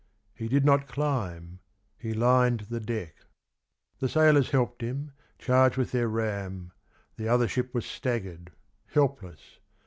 He did not climb. He lined the deck. The sailors helped him, charged with their ram the other ship was staggered, helpless.